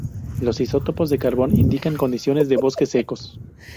Los isótopos de carbono indican condiciones de "bosques secos".